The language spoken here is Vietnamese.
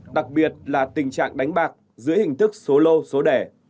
đặc biệt là tình trạng đánh bạc dưới hình thức số lô số đẻ